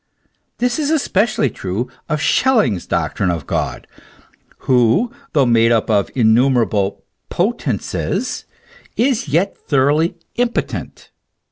This is especially true of Schelling's doctrine of God, who though made up of innumerable " potences" is yet thoroughly impotent.